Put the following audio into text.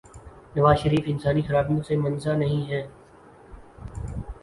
نوازشریف انسانی خرابیوں سے منزہ نہیں ہیں۔